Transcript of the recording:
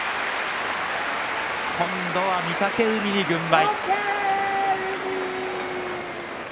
今度は御嶽海に軍配。